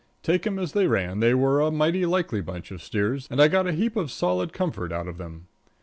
Take 'em as they ran, they were a mighty likely bunch of steers, and I got a heap of solid comfort out of them.